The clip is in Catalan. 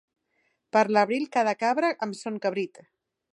Per l'abril cada cabra amb son cabrit.